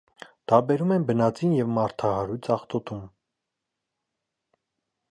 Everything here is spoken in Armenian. Տարբերում են բնածին և մարդահարույց աղտոտում։